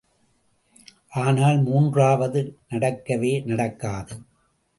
ஆனால் மூன்றாவது நடக்கவே நடக்காது.